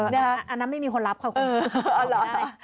อันนั้นไม่มีคนรับค่ะคุณผู้ติดต่อไม่ได้